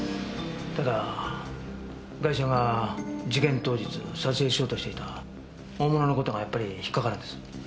ただガイシャが事件当日撮影しようとしていた大物の事がやっぱり引っかかるんです。